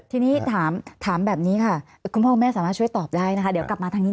ทีนี้ถามแบบนี้ค่ะคุณพ่อคุณแม่สามารถช่วยตอบได้นะคะเดี๋ยวกลับมาทางนี้